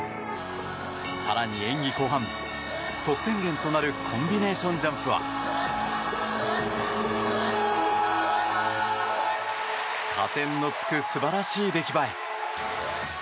更に演技後半、得点源となるコンビネーションジャンプは加点の付く素晴らしい出来栄え。